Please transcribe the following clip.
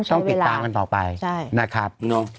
ต้องติดตามกันต่อไปนะครับ